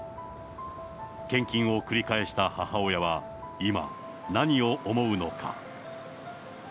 献金を繰り返した母親は、今、何を思うのか。